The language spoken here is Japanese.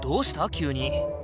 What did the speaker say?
急に。